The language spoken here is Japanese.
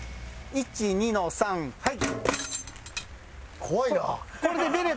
１２の３はい！